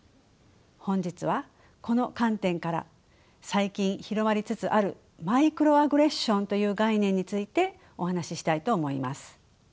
本日はこの観点から最近広まりつつあるマイクロアグレッションという概念についてお話ししたいと思います。